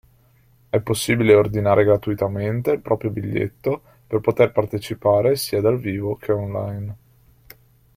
È possibile ordinare gratuitamente il proprio biglietto per poter partecipare sia dal vivo che online.